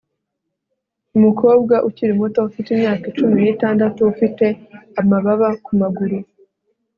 Umukobwa ukiri muto ufite imyaka cumi nitandatu ufite amababa kumaguru